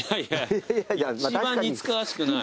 いやいや一番似つかわしくない。